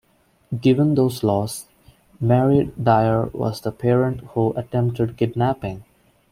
Given those laws, Mary Dyer was the parent who attempted kidnapping.